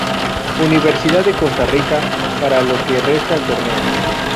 Universidad de Costa Rica para lo que resta el torneo.